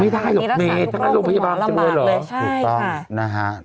ถูกต้องค่ะ